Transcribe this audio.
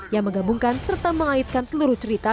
yang menggabungkan serta mengaitkan seluruh cerita